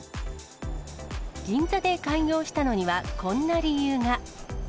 銀座で開業したのにはこんな理由が。